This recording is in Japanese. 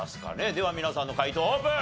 では皆さんの解答オープン！